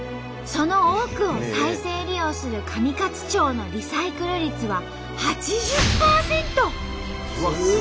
その多くを再生利用する上勝町のリサイクル率は８０％！